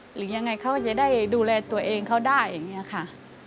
หรือยังไงเขาจะได้ดูแลตัวเองเขาได้อย่างนี้ค่ะ